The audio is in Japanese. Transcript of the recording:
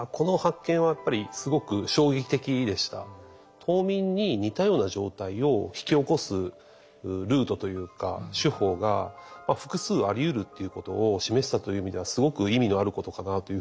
冬眠に似たような状態を引き起こすルートというか手法が複数ありうるっていうことを示したという意味ではすごく意味のあることかなというふうに思ってます。